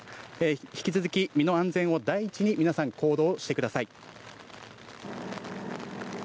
引き続き身の安全を第一に皆さん、行動してください。